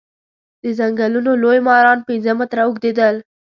د ځنګلونو لوی ماران پنځه متره اوږديدل.